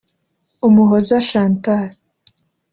Umuhoza Chantal